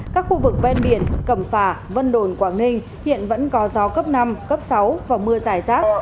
các khu vực ven biển cẩm phả vân đồn quảng ninh hiện vẫn có gió cấp năm cấp sáu và mưa dài rác